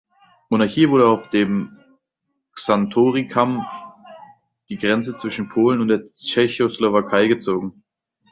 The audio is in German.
Monarchie wurde auf dem Czantory-Kamm die Grenze zwischen Polen und der Tschechoslowakei gezogen.